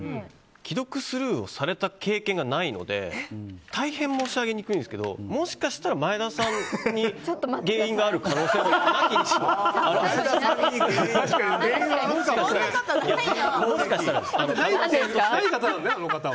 既読スルーをされた経験がないので大変申し上げにくいんですけどもしかしたら前田さんに原因がある可能性が無きにしも非ずなんじゃ。